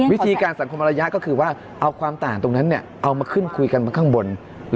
วิธีการสังคมระยะก็คือว่าเอาความต่างตรงนั้นเอามาขึ้นคุยกันมาข้างบน